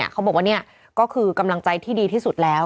เขาบอกว่านี่ก็คือกำลังใจที่ดีที่สุดแล้ว